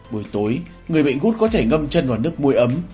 buổi tối người bệnh gút có thể ngâm chân vào nước muối ấm